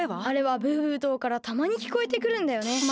あれはブーブー島からたまにきこえてくるんだよね。